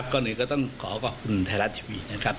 ก่อนอื่นก็ต้องขอขอบคุณไทยรัฐทีวีนะครับ